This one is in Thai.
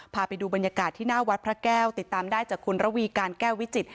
พาไปดูบรรยากาศที่หน้าวัดพระแก้วติดตามได้จากคุณระวีการแก้ววิจิตร